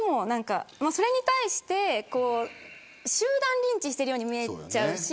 それに対して集団リンチしているように見えちゃうし。